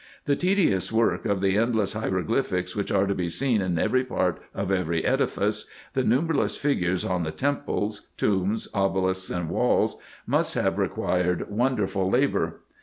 The tedious work of the endless hieroglyphics which are to be seen in every part of every edifice, the numberless figures on the temples, tombs, obelisks, and walls, must have required wonderful labour.